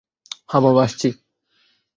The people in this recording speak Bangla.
হ্যাঁ বাবা, আসছি।